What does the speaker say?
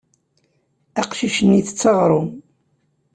Aqcic-nni ittett aɣrum.